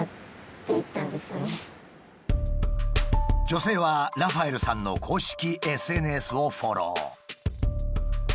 女性はラファエルさんの公式ＳＮＳをフォロー。